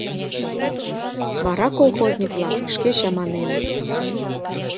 Вара колхозник-влак шке чаманеныт.